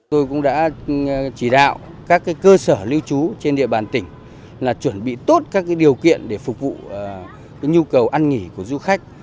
tôi cũng đã chỉ đạo các cơ sở lưu trú trên địa bàn tỉnh chuẩn bị tốt các điều kiện để phục vụ nhu cầu ăn nghỉ của du khách